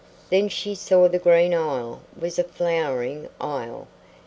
Then she saw the green isle was a flowering isle.